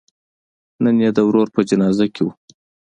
نن یې د ورور په جنازه کې و.